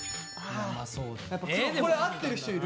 これ合ってる人いる？